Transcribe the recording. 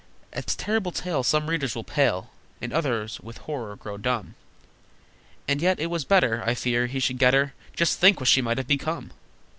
_] At this terrible tale Some readers will pale, And others with horror grow dumb, And yet it was better, I fear, he should get her: Just think what she might have become!